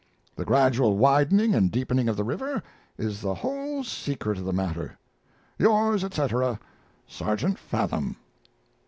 The gradual widening and deepening of the river is the whole secret of the matter. Yours, etc. SERGEANT FATHOM.